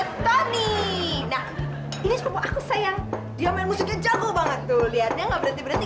petani nah ini aku sayang dia main musiknya jago banget tuh lihatnya nggak berhenti berhenti